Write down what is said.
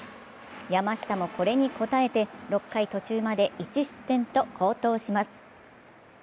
山下もこれに応えて６回途中まで１失点と好投します。